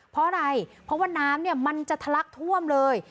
เพราะอะไรเพราะว่าน้ำเนี่ยมันจะทะลักท่วมเลย